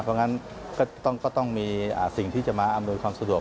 ตามต้องมีสิ่งที่จะมาอำนวยความสะดวก